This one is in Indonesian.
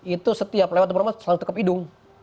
itu setiap lewat rumah selalu tekap hidung